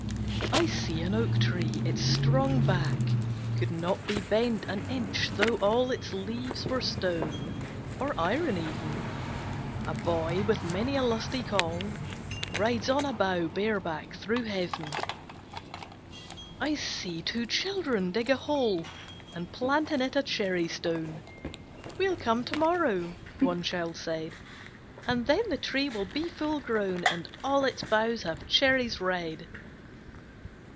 I see an oak tree, its strong back Could not be bent an inch though all Its leaves were stone, or iron even: A boy, with many a lusty call, Rides on a bough bareback through Heaven. I see two children dig a hole And plant in it a cherry stone: "We'll come to morrow," one child said "And then the tree will be full grown, And all its boughs have cherries red."